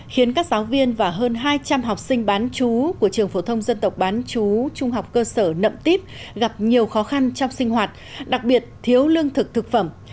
khiến các giáo viên và hơn hai trăm linh học sinh bán chú của trường phổ thông dân tộc bán chú trung học cơ sở nậm tiếp gặp nhiều khó khăn trong sinh hoạt đặc biệt thiếu lương thực thực phẩm